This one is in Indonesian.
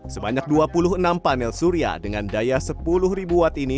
sebanyak dua puluh enam panel surya dengan daya sepuluh ribu watt ini